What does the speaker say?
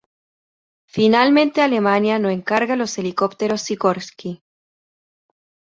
Finalmente Alemania no encarga los helicópteros Sikorsky.